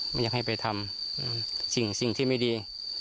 ไม่อยากให้ไปทำสิ่งที่ไม่ดี